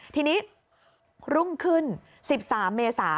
ทีนี้รุ่งขึ้น๑๓เมษา